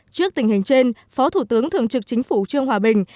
trước tình hình trên phó thủ tướng thường trực chính phủ trương hòa bình